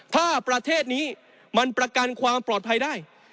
ถ้าประเทศนี้มันประกันความปลอดภัยได้